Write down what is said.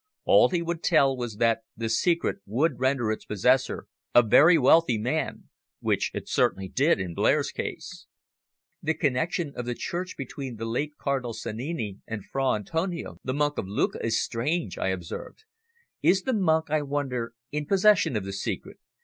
All he would tell was that the secret would render its possessor a very wealthy man which it certainly did in Blair's case." "The connexion of the Church between the late Cardinal Sannini and Fra Antonio, the Monk of Lucca, is strange," I observed. "Is the monk, I wonder, in possession of the secret?